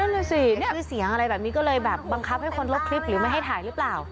น่ะสิชื่อเสียงอะไรแบบนี้ก็เลยแบบบังคับให้คนลบคลิปหรือไม่ให้ถ่ายหรือเปล่า